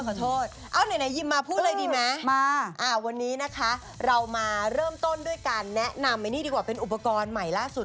ขอโทษเอาไหนยิมมาพูดเลยดีไหมมาวันนี้นะคะเรามาเริ่มต้นด้วยการแนะนำอันนี้ดีกว่าเป็นอุปกรณ์ใหม่ล่าสุด